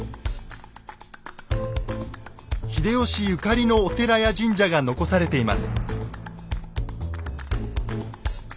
秀吉ゆかりのお寺や神社が残されています。